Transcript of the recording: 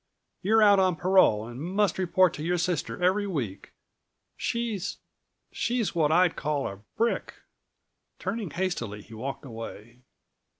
You're out on parole and must report to your sister every week. She's—she's what I'd call a brick!" Turning hastily he walked away.